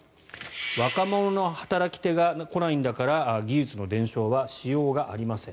若者の働き手が来ないんだから技術の伝承はしようがありません。